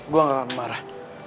gue nggak akan marah